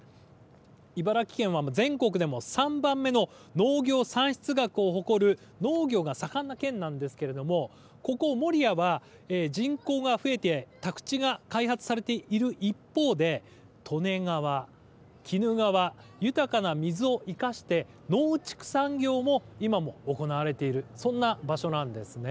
茨城県は全国でも３番目の農業産出額を誇る農業が盛んな県なんですけれどもここ守谷は、人口が増えて宅地が開発されている一方で利根川、鬼怒川、豊かな水を生かして農畜産業、今も行われているそんな場所なんです。